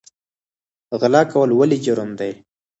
غلا کول ولې جرم دی؟